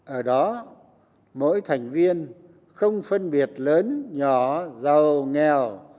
ở đó mỗi thành viên không phân biệt lớn nhỏ giàu nghèo